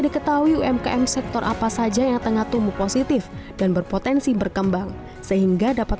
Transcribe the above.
diketahui umkm sektor apa saja yang tengah tumbuh positif dan berpotensi berkembang sehingga dapat